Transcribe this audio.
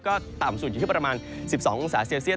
ก็ต่ำสุดอยู่ที่ประมาณ๑๒องศาเซลเซียต